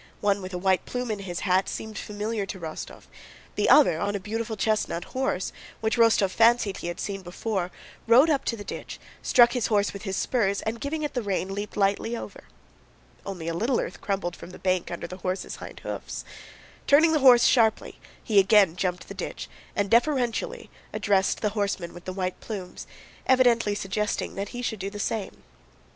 One with a white plume in his hat seemed familiar to Rostóv; the other on a beautiful chestnut horse (which Rostóv fancied he had seen before) rode up to the ditch, struck his horse with his spurs, and giving it the rein leaped lightly over. Only a little earth crumbled from the bank under the horse's hind hoofs. Turning the horse sharply, he again jumped the ditch, and deferentially addressed the horseman with the white plumes, evidently suggesting that he should do the same.